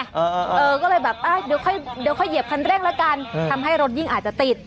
เออก็เลยแบบเดี๋ยวค่อยเหยียบคันแรกละกันทำให้รถยิ่งอาจจะติด